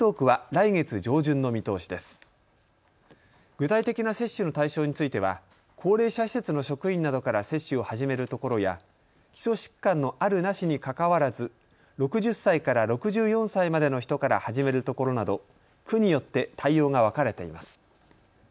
具体的な接種の対象については高齢者施設の職員などから接種を始めるところや基礎疾患のあるなしにかかわらず６０歳から６４歳までの人から始めるところなど区によって対応が分かれています。